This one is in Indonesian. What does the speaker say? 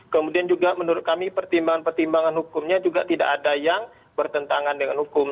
kemudian juga menurut kami pertimbangan pertimbangan hukumnya juga tidak ada yang bertentangan dengan hukum